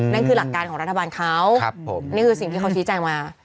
นั่นคือหลักการของรัฐบาลเขานี่คือสิ่งที่เขาชี้แจงมา